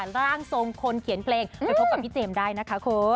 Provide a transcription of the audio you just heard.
ร่างทรงคนเขียนเพลงไปพบกับพี่เจมส์ได้นะคะคุณ